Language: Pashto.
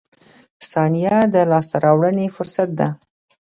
• ثانیه د لاسته راوړنې فرصت ده.